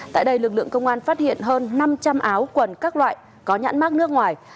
tại đây lực lượng công an phát hiện hơn năm trăm linh áo quần các loại có nhãn mát nước ngoài